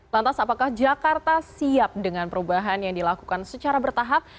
lantas apakah jakarta siap dengan perubahan yang dilakukan secara bertahap